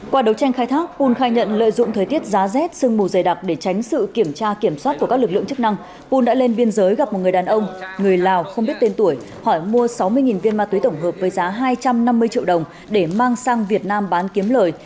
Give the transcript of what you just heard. qua đấu tranh khai thác pun khai nhận lợi dụng thời tiết giá rét sương mù dày đặc để tránh sự kiểm tra kiểm soát của các lực lượng chức năng pun đã lên biên giới gặp một người đàn ông người lào không biết tên tuổi hỏi mua sáu mươi viên ma túy tổng hợp với giá hai trăm năm mươi triệu đồng để mang sang việt nam bán kiếm lời